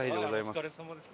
お疲れさまです。